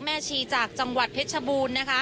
แม่ชีจากจังหวัดเพชรบูรณ์